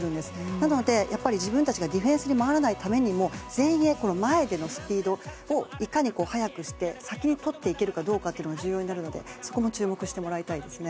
なので、自分たちがディフェンスに回らないためにも前衛、前でのスピードをいかに速くして先にとっていけるかが重要になるので、そこも注目してもらいたいですね。